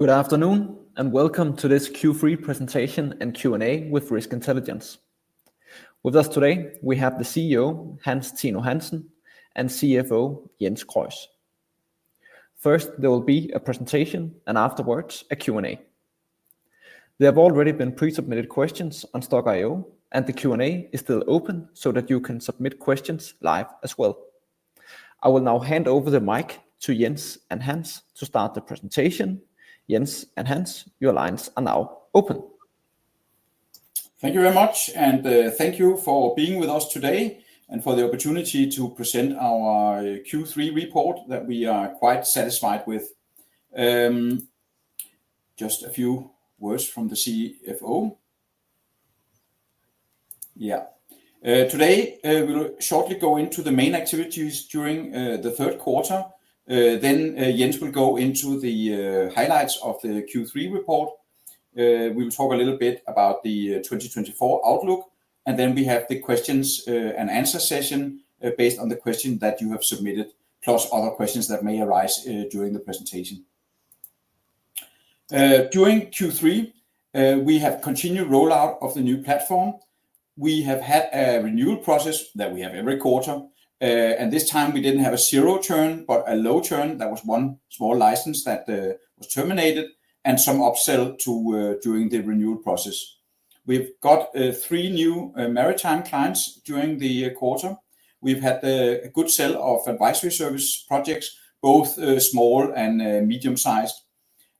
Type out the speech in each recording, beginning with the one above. Good afternoon, and welcome to this Q3 presentation and Q&A with Risk Intelligence. With us today, we have the CEO, Hans Tino Hansen, and CFO, Jens Krøis. First, there will be a presentation, and afterwards, a Q&A. There have already been pre-submitted questions on Stokk.io, and the Q&A is still open so that you can submit questions live as well. I will now hand over the mic to Jens and Hans to start the presentation. Jens and Hans, your lines are now open. Thank you very much, and thank you for being with us today and for the opportunity to present our Q3 report that we are quite satisfied with. Just a few words from the CFO. Yeah. Today, we'll shortly go into the main activities during the third quarter. Then Jens will go into the highlights of the Q3 report. We will talk a little bit about the 2024 outlook, and then we have the questions and answer session based on the question that you have submitted, plus other questions that may arise during the presentation. During Q3, we have continued rollout of the new platform. We have had a renewal process that we have every quarter, and this time we didn't have a zero churn, but a low churn. That was one small license that was terminated and some upsell, too, during the renewal process. We've got three new maritime clients during the quarter. We've had a good sale of advisory service projects, both small and medium-sized.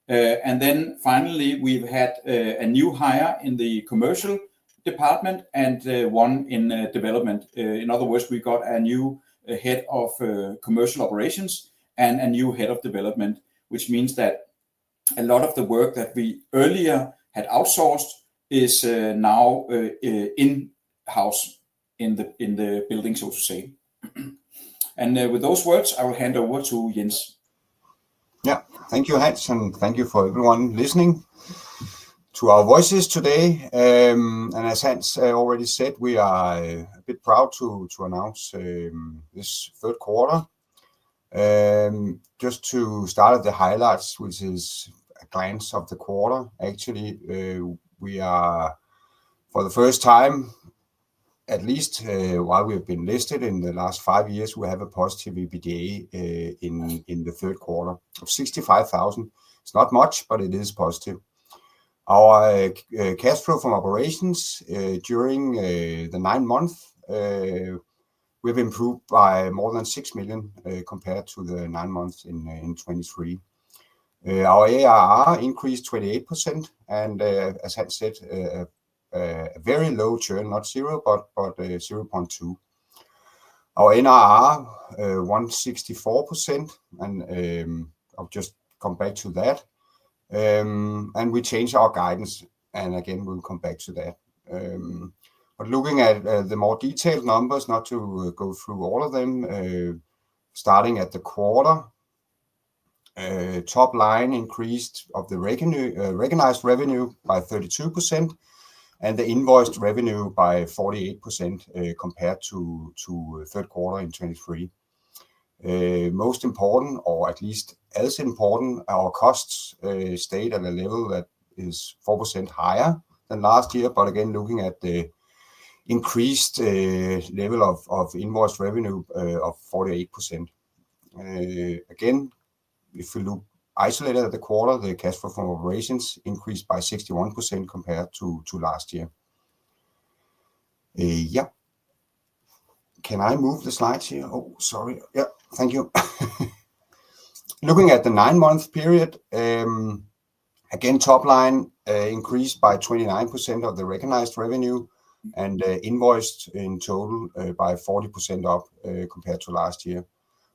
And then finally, we've had a new hire in the commercial department and one in development. In other words, we got a new head of commercial operations and a new head of development, which means that a lot of the work that we earlier had outsourced is now in-house, in the building, so to say. And with those words, I will hand over to Jens. Yeah, thank you, Hans, and thank you for everyone listening to our voices today. As Hans already said, we are a bit proud to announce this third quarter. Just to start at the highlights, which is a glance of the quarter, actually, we are, for the first time, at least while we have been listed in the last five years, we have a positive EBITDA in the third quarter of 65,000. It's not much, but it is positive. Our cash flow from operations during the nine months we've improved by more than 6 million compared to the nine months in 2023. Our ARR increased 28%, and as Hans said, a very low churn, not zero, but 0.2. Our NRR, 164%, and I'll just come back to that. We changed our guidance, and again, we'll come back to that. But looking at the more detailed numbers, not to go through all of them, starting at the quarter, top line increased of the recognized revenue by 32%, and the invoiced revenue by 48% compared to third quarter in 2023. Most important, or at least as important, our costs stayed at a level that is 4% higher than last year, but again, looking at the increased level of invoiced revenue of 48%. Again, if you look isolated at the quarter, the cash flow from operations increased by 61% compared to last year. Yeah. Can I move the slides here? Oh, sorry. Yeah, thank you. Looking at the nine-month period, again, top line increased by 29% of the recognized revenue and invoiced in total by 40% up compared to last year.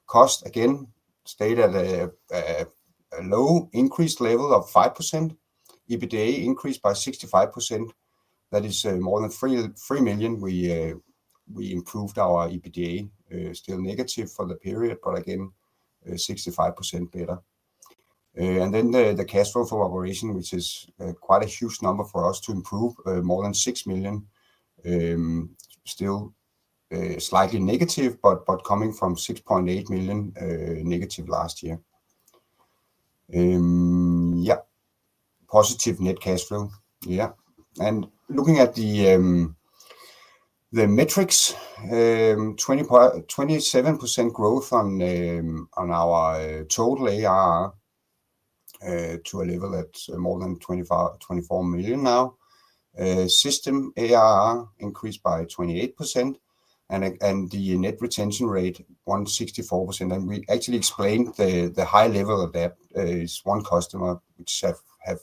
Cost, again, stayed at a low increased level of 5%. EBITDA increased by 65%. That is more than 3 million DKK. We improved our EBITDA, still negative for the period, but again, 65% better. And then the cash flow from operation, which is quite a huge number for us to improve, more than 6 million, still slightly negative, but coming from 6.8 million negative last year. Yeah. Positive net cash flow. Yeah. And looking at the metrics, 27% growth on our total ARR to a level at more than 24 million now. System ARR increased by 28%, and the net retention rate, 164%. And we actually explained the high level of that is one customer, which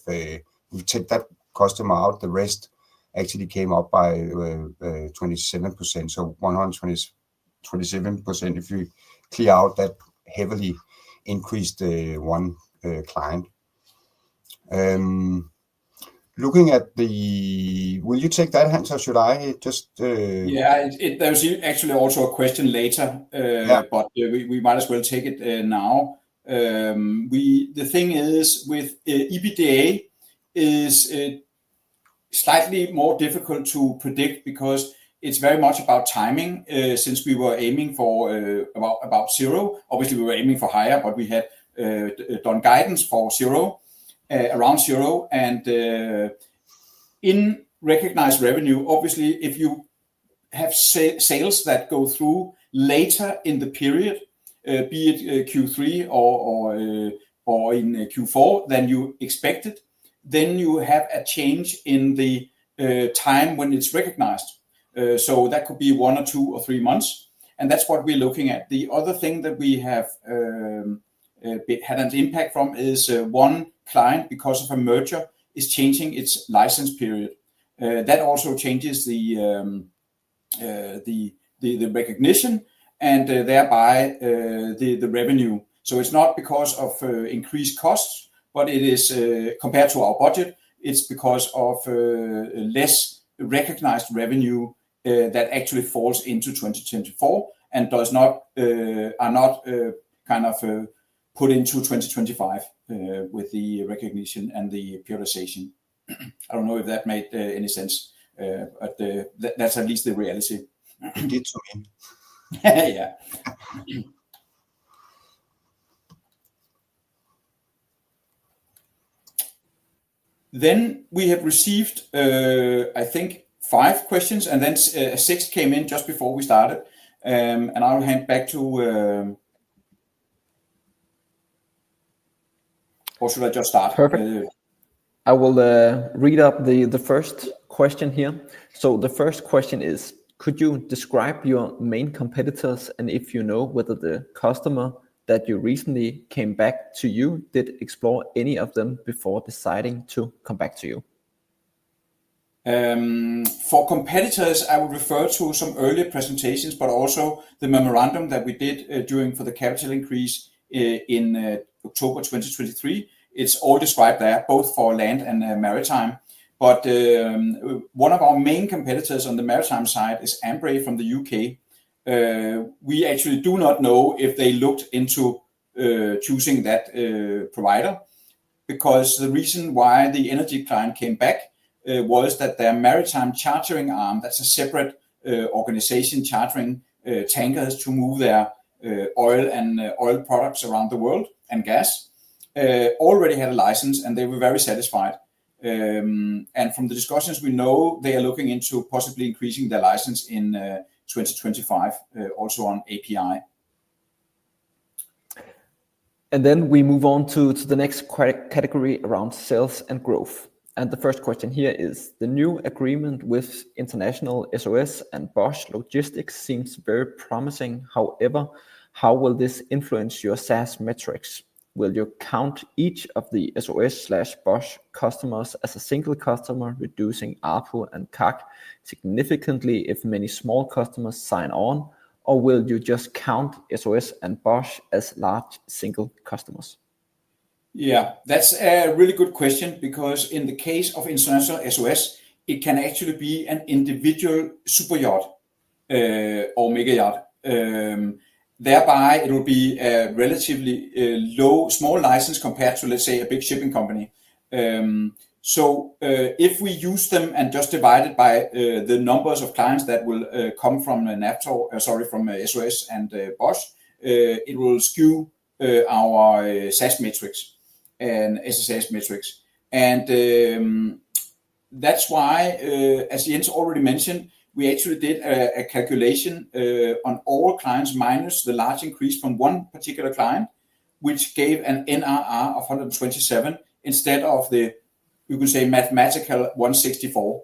we took that customer out. The rest actually came up by 27%. So 127%, if you clear out that heavily increased one client. Looking at the, will you take that, Hans, or should I just? Yeah, there's actually also a question later, but we might as well take it now. The thing is with EBITDA is slightly more difficult to predict because it's very much about timing since we were aiming for about zero. Obviously, we were aiming for higher, but we had done guidance for zero, around zero, and in recognized revenue, obviously, if you have sales that go through later in the period, be it Q3 or in Q4, then you expect it, then you have a change in the time when it's recognized. So that could be one or two or three months, and that's what we're looking at. The other thing that we have had an impact from is one client, because of a merger, is changing its license period. That also changes the recognition and thereby the revenue. So it's not because of increased costs, but it is compared to our budget. It's because of less recognized revenue that actually falls into 2024 and are not kind of put into 2025 with the recognition and the prioritization. I don't know if that made any sense, but that's at least the reality. Yeah. Then we have received, I think, five questions, and then six came in just before we started. And I'll hand back to, or should I just start? Perfect. I will read out the first question here. So the first question is, could you describe your main competitors and if you know whether the customer that you recently came back to you did explore any of them before deciding to come back to you? For competitors, I would refer to some earlier presentations, but also the memorandum that we did during for the capital increase in October 2023. It's all described there, both for land and maritime. But one of our main competitors on the maritime side is Ambrey from the U.K. We actually do not know if they looked into choosing that provider because the reason why the energy client came back was that their maritime chartering arm, that's a separate organization, chartering tankers to move their oil and oil products around the world and gas, already had a license, and they were very satisfied, and from the discussions, we know they are looking into possibly increasing their license in 2025, also on API. Then we move on to the next category around sales and growth. The first question here is: the new agreement with International SOS and Bosch Logistics seems very promising. However, how will this influence your SaaS metrics? Will you count each of the SOS/Bosch customers as a single customer, reducing ARPU and CAC significantly if many small customers sign on, or will you just count SOS and Bosch as large single customers? Yeah, that's a really good question because in the case of International SOS, it can actually be an individual super yacht or mega yacht. Thereby, it will be a relatively low small license compared to, let's say, a big shipping company. So if we use them and just divide it by the numbers of clients that will come from Navtor, sorry, from SOS and Bosch, it will skew our SaaS metrics and SSS metrics. And that's why, as Jens already mentioned, we actually did a calculation on all clients minus the large increase from one particular client, which gave an NRR of 127 instead of the, you could say, mathematical 164.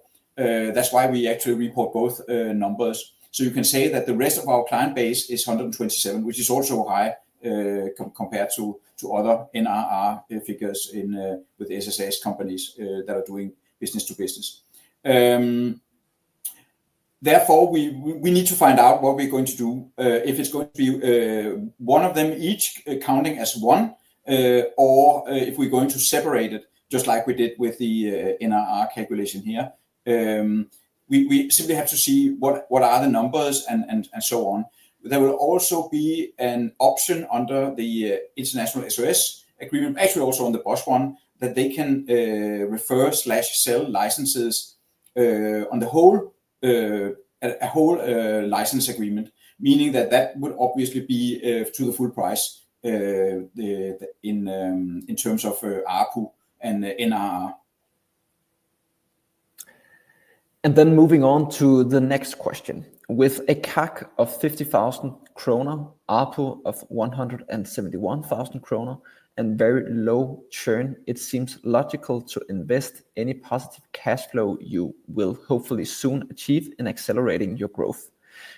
That's why we actually report both numbers. So you can say that the rest of our client base is 127, which is also high compared to other NRR figures with SSS companies that are doing business to business. Therefore, we need to find out what we're going to do. If it's going to be one of them each counting as one, or if we're going to separate it, just like we did with the NRR calculation here, we simply have to see what are the numbers and so on. There will also be an option under the International SOS agreement, actually also on the Bosch one, that they can refer/sell licenses on the whole, a whole license agreement, meaning that that would obviously be to the full price in terms of ARPU and NRR. Then moving on to the next question. With a CAC of 50,000 kroner, ARPU of 171,000 kroner, and very low churn, it seems logical to invest any positive cash flow you will hopefully soon achieve in accelerating your growth.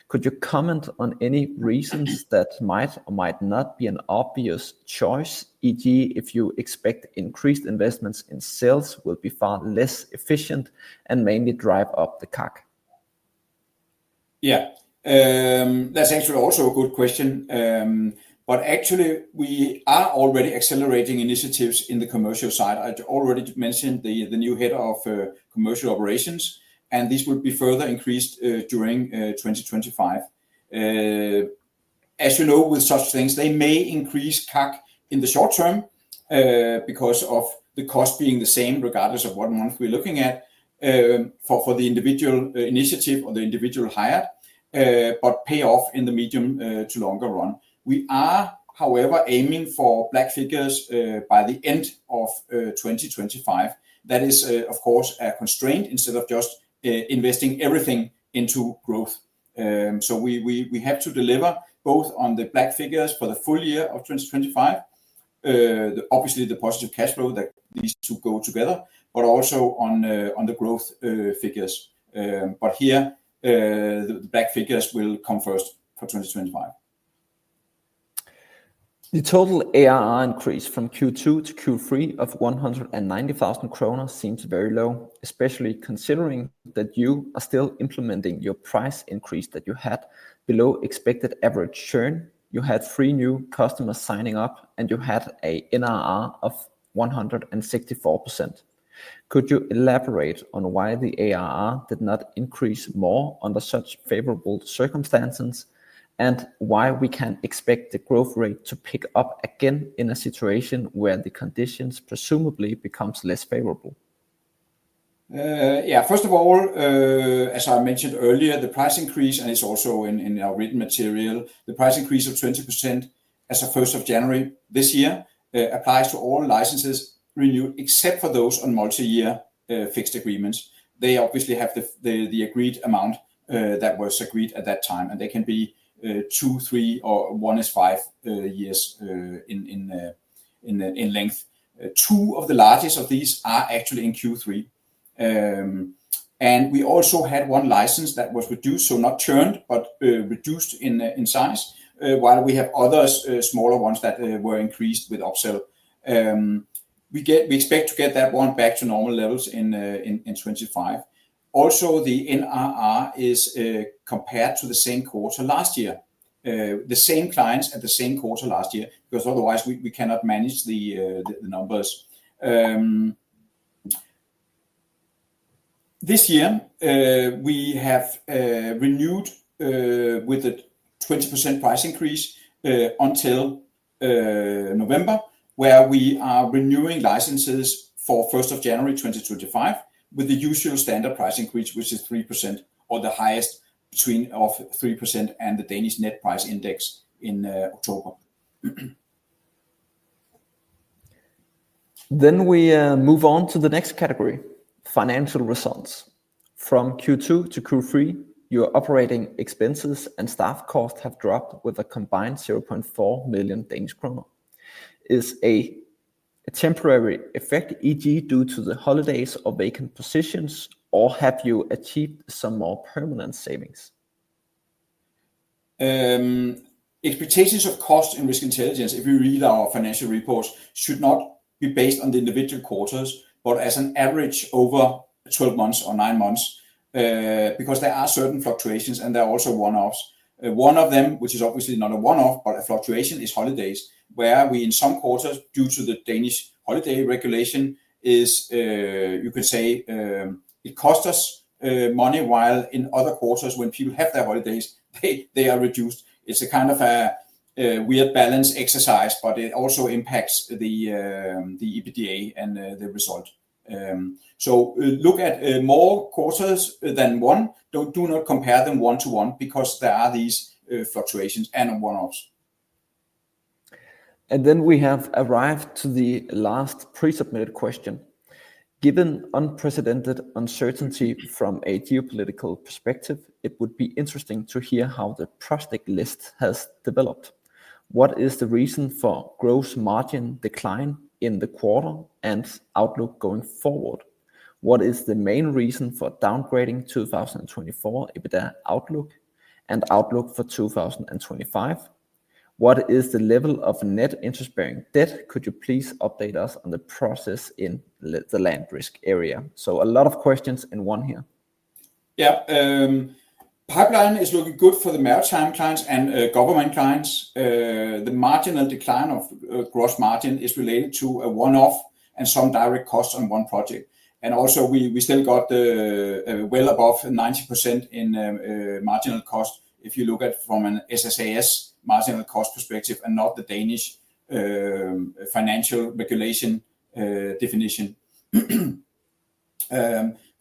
Could you comment on any reasons that might or might not be an obvious choice, e.g., if you expect increased investments in sales will be far less efficient and mainly drive up the CAC? Yeah, that's actually also a good question. But actually, we are already accelerating initiatives in the commercial side. I already mentioned the new head of commercial operations, and this will be further increased during 2025. As you know, with such things, they may increase CAC in the short term because of the cost being the same, regardless of what month we're looking at for the individual initiative or the individual hired, but pay off in the medium to longer run. We are, however, aiming for black figures by the end of 2025. That is, of course, a constraint instead of just investing everything into growth. So we have to deliver both on the black figures for the full year of 2025, obviously the positive cash flow that needs to go together, but also on the growth figures. But here, the black figures will come first for 2025. The total ARR increase from Q2 to Q3 of 190,000 kroner seems very low, especially considering that you are still implementing your price increase that you had below expected average churn. You had three new customers signing up, and you had an NRR of 164%. Could you elaborate on why the ARR did not increase more under such favorable circumstances and why we can expect the growth rate to pick up again in a situation where the conditions presumably become less favorable? Yeah, first of all, as I mentioned earlier, the price increase, and it's also in our written material, the price increase of 20% as of 1st of January this year applies to all licenses renewed except for those on multi-year fixed agreements. They obviously have the agreed amount that was agreed at that time, and they can be two, three, or one is five years in length. Two of the largest of these are actually in Q3. And we also had one license that was reduced, so not churned, but reduced in size, while we have other smaller ones that were increased with upsell. We expect to get that one back to normal levels in 2025. Also, the NRR is compared to the same quarter last year, the same clients at the same quarter last year, because otherwise we cannot manage the numbers. This year, we have renewed with a 20% price increase until November, where we are renewing licenses for 1st of January 2025 with the usual standard price increase, which is 3% or the highest of 3% and the Danish net price index in October. Then we move on to the next category, financial results. From Q2 to Q3, your operating expenses and staff cost have dropped with a combined 0.4 million Danish kroner. Is a temporary effect, e.g., due to the holidays or vacant positions, or have you achieved some more permanent savings? Expectations of cost in Risk Intelligence, if we read our financial reports, should not be based on the individual quarters, but as an average over 12 months or nine months, because there are certain fluctuations, and there are also one-offs. One of them, which is obviously not a one-off, but a fluctuation, is holidays, where we in some quarters, due to the Danish holiday regulation, you could say it costs us money, while in other quarters, when people have their holidays, they are reduced. It's a kind of a weird balance exercise, but it also impacts the EBITDA and the result. So look at more quarters than one. Do not compare them one to one because there are these fluctuations and one-offs. We have arrived to the last pre-submitted question. Given unprecedented uncertainty from a geopolitical perspective, it would be interesting to hear how the prospect list has developed. What is the reason for gross margin decline in the quarter and outlook going forward? What is the main reason for downgrading 2024 EBITDA outlook and outlook for 2025? What is the level of net interest-bearing debt? Could you please update us on the process in the LandRisk area? A lot of questions in one here. Yeah, pipeline is looking good for the maritime clients and government clients. The marginal decline of gross margin is related to a one-off and some direct costs on one project, and also, we still got well above 90% in marginal cost if you look at it from a SaaS marginal cost perspective and not the Danish financial regulation definition.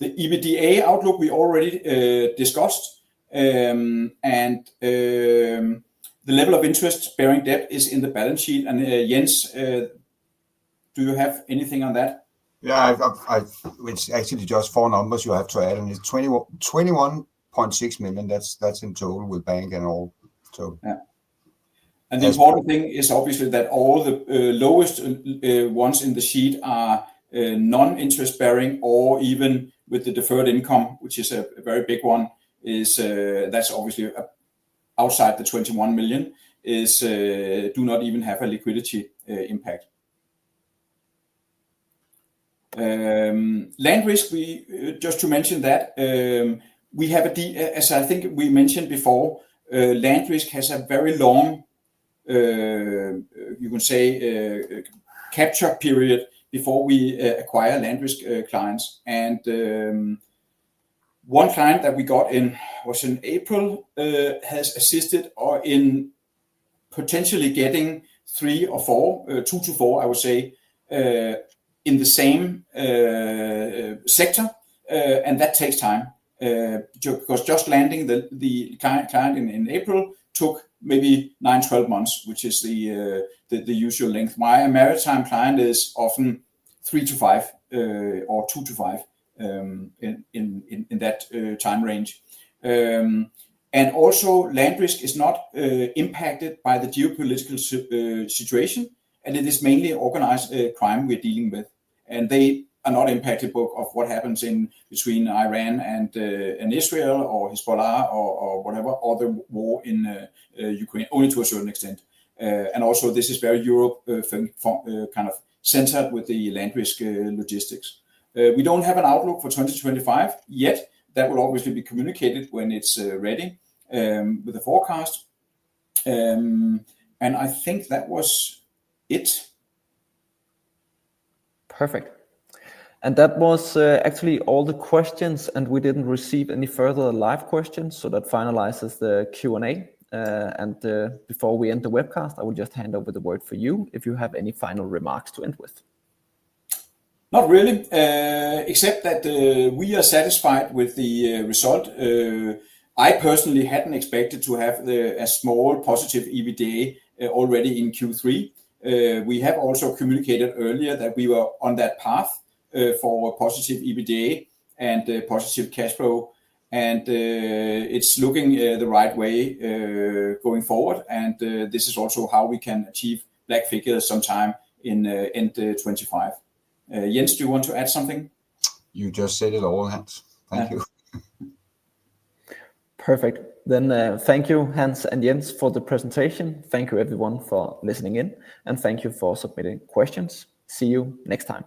The EBITDA outlook we already discussed, and the level of interest-bearing debt is in the balance sheet, and Jens, do you have anything on that? Yeah, it's actually just four numbers you have to add, and it's 21.6 million. That's in total with bank and all. Yeah. And the important thing is obviously that all the lowest ones in the sheet are non-interest-bearing or even with the deferred income, which is a very big one. That's obviously outside the 21 million do not even have a liquidity impact. LandRisk, just to mention that, we have, as I think we mentioned before, LandRisk has a very long, you can say, capture period before we acquire LandRisk clients. And one client that we got in was in April has assisted in potentially getting three or four, two to four, I would say, in the same sector. And that takes time because just landing the client in April took maybe nine, 12 months, which is the usual length. My maritime client is often three to five or two to five in that time range. Also, LandRisk is not impacted by the geopolitical situation, and it is mainly organized crime we're dealing with. They are not impacted of what happens in between Iran and Israel or Hezbollah or whatever, or the war in Ukraine, only to a certain extent. Also, this is very Europe kind of centered with the LandRisk logistics. We don't have an outlook for 2025 yet. That will obviously be communicated when it's ready with the forecast. I think that was it. Perfect. And that was actually all the questions, and we didn't receive any further live questions, so that finalizes the Q&A. And before we end the webcast, I will just hand over the word for you if you have any final remarks to end with. Not really, except that we are satisfied with the result. I personally hadn't expected to have a small positive EBITDA already in Q3. We have also communicated earlier that we were on that path for positive EBITDA and positive cash flow. And it's looking the right way going forward. And this is also how we can achieve black figures sometime in 2025. Jens, do you want to add something? You just said it all, Hans. Thank you. Perfect. Then thank you, Hans and Jens, for the presentation. Thank you, everyone, for listening in, and thank you for submitting questions. See you next time.